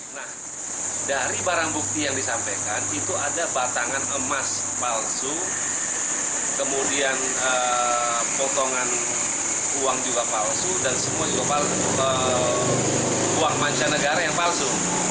nah dari barang bukti yang disampaikan itu ada batangan emas palsu kemudian potongan uang juga palsu dan semua juga uang mancanegara yang palsu